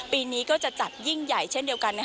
ปีนี้ก็จะจัดยิ่งใหญ่เช่นเดียวกัน